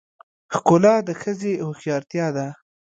ښکلا د ښځې هوښیارتیا ده .